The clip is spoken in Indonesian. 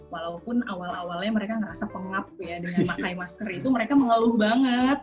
walaupun awal awalnya mereka ngerasa pengap ya dengan pakai masker itu mereka mengeluh banget